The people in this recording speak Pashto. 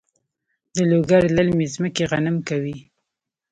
د لوګر للمي ځمکې غنم کوي؟